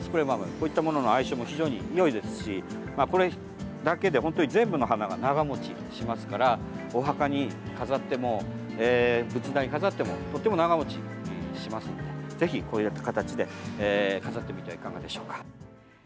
こういったものの相性も非常によいですしまあ、これだけで本当に全部の花が長もちしますからお墓に飾っても、仏壇に飾ってもとっても長もちしますのでぜひ、こういった形で飾ってみてはいかがでしょう？